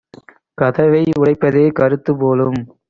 கதவை உடைப்பதே கருத்துப் போலும்!"